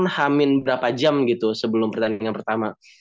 hamin berapa jam gitu sebelum pertandingan pertama